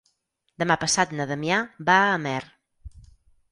Demà passat na Damià va a Amer.